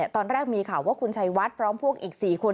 ตอนแรกมีข่าวว่าคุณชัยวัดพร้อมพวกอีก๔คน